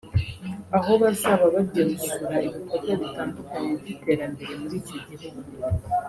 aho bazaba bagiye gusura ibikorwa bitandukanye by’iterambere muri icyo gihugu